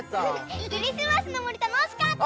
クリスマスのもりたのしかった！